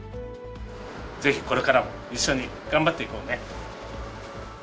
ぜひこれからも一緒に頑張っていこうね。